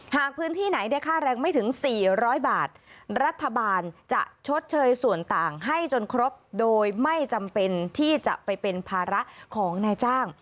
หากพื้นที่ไหนได้ค่าแรงไม่ถึง๔๐๐บาทรัฐบาลจะชดเชยส่วนต่างให้จนครบโดยไม่จำเป็นที่จะไปเป็นภาระของนายจ้าง